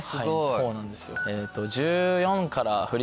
そうなんですよ。